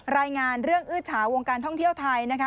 รายงานเรื่องอื้อเฉาวงการท่องเที่ยวไทยนะคะ